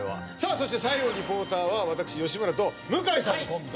そして最後のリポーターは私吉村と向井さんのコンビ。